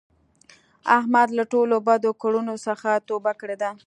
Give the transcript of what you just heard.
احمد له ټولو بدو کړونو څخه توبه کړې ده.